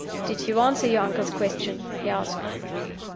"Did you answer your uncle's question?" he asked.